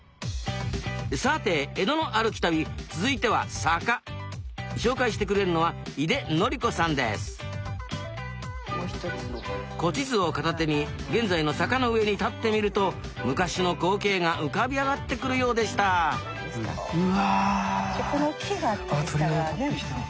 さて「江戸」の歩き旅続いては坂。紹介してくれるのは古地図を片手に現在の坂の上に立ってみると昔の光景が浮かび上がってくるようでしたあっ！